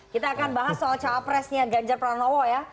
kita akan bahas soal cawapresnya ganjar pranowo ya